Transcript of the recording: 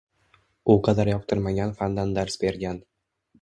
U qadar yoqtirmagan fandan dars bergan.